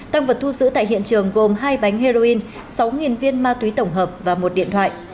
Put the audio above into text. tăng vật thu giữ tại hiện trường gồm hai bánh heroin sáu viên ma túy tổng hợp và một điện thoại